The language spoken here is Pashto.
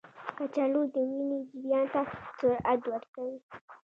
کچالو د وینې جریان ته سرعت ورکوي.